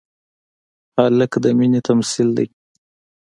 هلک د مینې تمثیل دی.